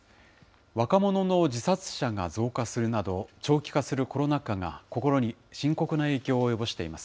若者の自殺者が増加するなど、長期化するコロナ禍が心に深刻な影響を及ぼしています。